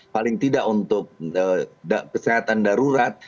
paling tidak untuk kesehatan darurat